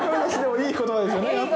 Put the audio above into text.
いい言葉ですよね。